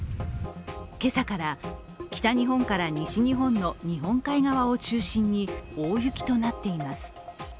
今朝から北日本から西日本の日本海側を中心に大雪となっています。